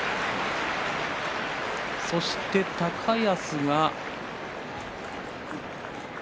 そして高安が。